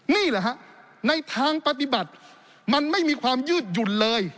นี่แหละฮะในทางปฏิบัติมันไม่มีความยืดหยุ่นเลย